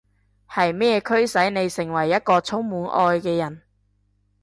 係咩驅使你成為一個充滿愛嘅人？